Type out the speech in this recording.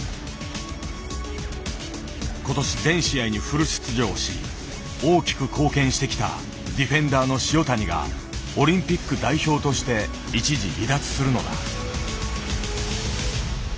今年全試合にフル出場し大きく貢献してきたディフェンダーの塩谷がオリンピック代表として一時離脱するのだ。